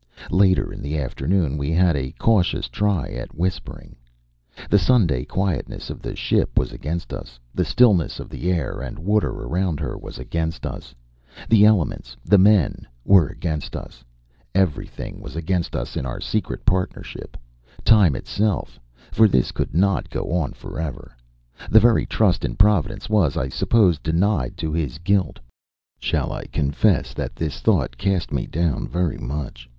Later in the afternoon we had a cautious try at whispering. The Sunday quietness of the ship was against us; the stillness of air and water around her was against us; the elements, the men were against us everything was against us in our secret partnership; time itself for this could not go on forever. The very trust in Providence was, I suppose, denied to his guilt. Shall I confess that this thought cast me down very much?